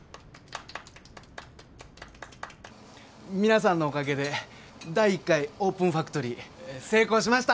皆さんのおかげで第１回オープンファクトリー成功しました！